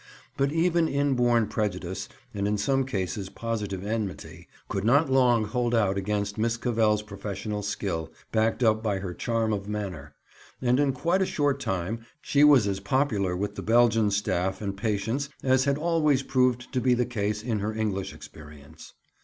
But even inborn prejudice, and in some cases positive enmity, could not long hold out against Miss Cavell's professional skill, backed up by her charm of manner; and in quite a short time she was as popular with the Belgian staff and patients as had always proved to be the case in her English experience.